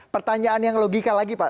pertanyaan yang logika lagi pak